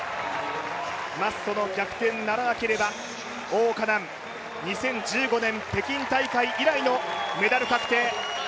マッソの逆転ならなければ王嘉男、２０１５年北京大会以来のメダル確定。